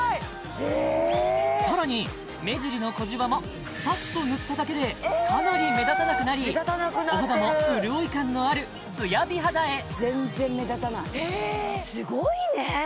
えっさらに目尻の小じわもさっと塗っただけでかなり目立たなくなりお肌も潤い感のあるツヤ美肌へ全然目立たないすごいねえっ！